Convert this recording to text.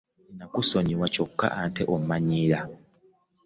Nakusonyiwa kyokka ate ommanyiira.